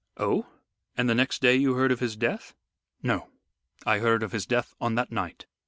"Oh! And the next day you heard of his death?" "No, I heard of his death on that night.